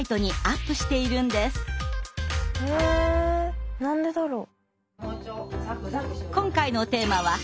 へえ何でだろう？